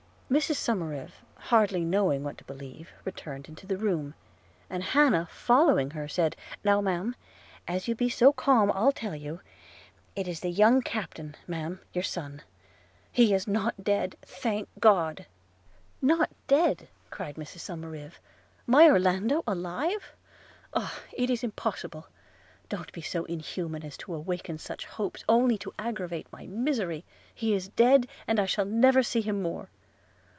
Mrs Somerive, hardly knowing what to believe, returned into the room; and Hannah following her, said – 'Now, ma'am, as you be so calm I'll tell you, it is the young captain, ma'am, your son – he is not dead, thank God!' 'Not dead!' cried Mrs Somerive, 'my Orlando alive! Oh! it is impossible; don't be so inhuman as to awaken such hopes, only to aggravate my misery. He is dead, and I shall never see him more!'